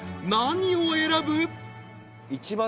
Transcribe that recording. ［何を選ぶ？］